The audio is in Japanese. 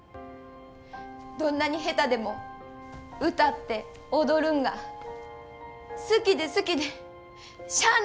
どんなに下手でも歌って踊るんが好きで好きでしゃあないねん。